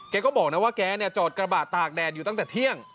แกก็บอกนะว่าแกเนี่ยจอดกระบะตากแดดอยู่ตั้งแต่เที่ยง